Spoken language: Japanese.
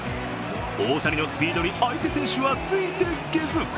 大谷のスピードに相手選手はついていけず。